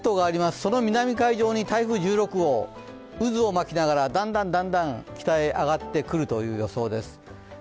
その南海上に台風１６号渦を巻きながら、だんだん北へ上がってくるという予想です。